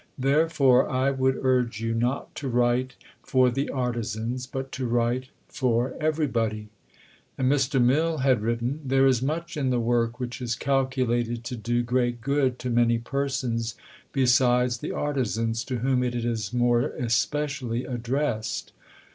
Therefore I would urge you not to write for the Artizans, but to write for everybody." And Mr. Mill had written: "There is much in the work which is calculated to do great good to many persons besides the artizans to whom it is more especially addressed."